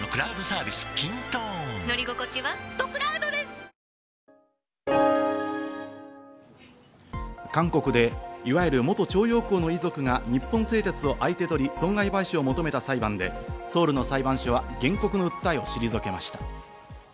ただ、株価は昨日までの７日韓国でいわゆる元徴用工の遺族が日本製鉄を相手取り損害賠償を求めた裁判でソウルの裁判所は、原告の訴えを退けました。